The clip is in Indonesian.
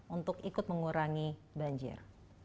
untuk ikut mengurangi banjir